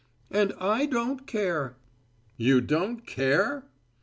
"And I don't care." "You don't care?"